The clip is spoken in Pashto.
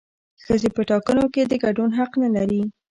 ښځې په ټاکنو کې د ګډون حق نه لري